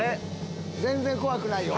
全然怖くないよ